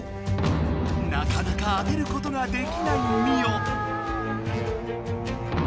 なかなか当てることができないミオ。